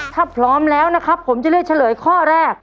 ถ้าพร้อมแล้วนะครับผมจะเลือกเฉลยข้อแรก